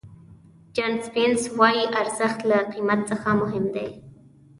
جان سپینس وایي ارزښت له قیمت څخه مهم دی.